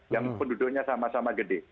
yang penduduknya sama sama gede